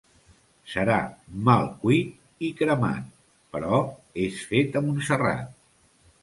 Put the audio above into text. Serà mal cuit i cremat, però és fet a Montserrat.